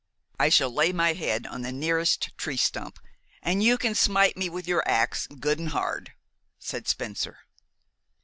"I shall lay my head on the nearest tree stump, and you can smite me with your ax, good and hard," said Spencer.